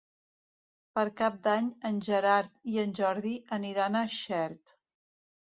Per Cap d'Any en Gerard i en Jordi aniran a Xert.